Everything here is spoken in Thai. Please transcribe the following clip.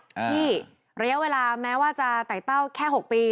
ที่ระยะเวลาแม้ว่าจะไต่เต้าแค่๖ปี